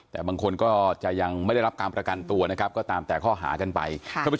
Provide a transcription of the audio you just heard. แต่บางคนก็จะยังไม่ได้รับการประกันตัวนะครับก็ตามแต่ข้อหากันไป